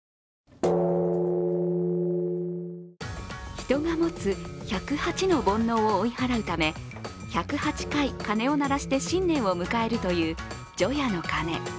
人が持つ１０８の煩悩を追い払うため、１０８回、鐘を鳴らして新年を迎えるという除夜の鐘。